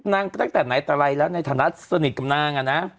ตั้งแต่ไหนแต่ไรแล้วในฐานะสนิทกับนางอะนะ